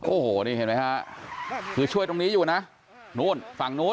โอ้โหนี่เห็นไหมฮะคือช่วยตรงนี้อยู่นะนู้นฝั่งนู้น